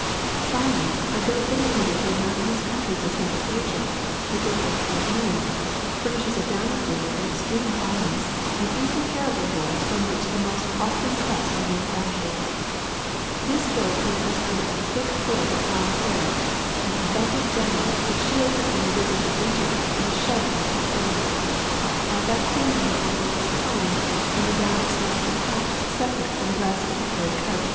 Finally, a goat native to the mountainous countries of central Asia, the goat of Cashmere, furnishes a downy fleece of extreme Head of Merino Ram, Before and after shearing. 30 THE SECRET OF EVERYDAY THINGS fineness, an incomparable wool from which the most costly stuffs are manufactured. This goat wears, under a thick fur of long hair, an abundant down which shields it from the rigors of winter and is shed every spring. At that season the animal is combed and the down is thus detached separate from the rest of the hairy coat.''